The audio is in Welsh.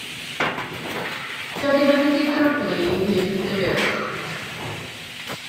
Dydi o ddim yn mynd i drwblu'i hun yn dy gylch.